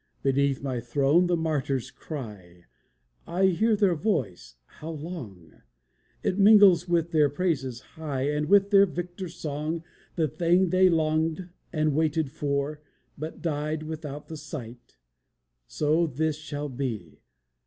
Beneath my throne the martyrs cry; I hear their voice, How long? It mingles with their praises high, And with their victor song. The thing they longed and waited for, But died without the sight; So, this shall be!